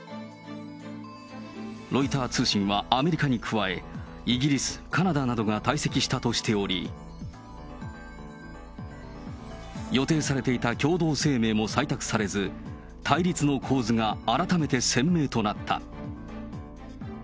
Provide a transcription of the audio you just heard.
ロイター通信はアメリカに加え、イギリス、カナダなどが退席したとしており、予定されていた共同声明も採択されず、対立の構図が改めて鮮明となった。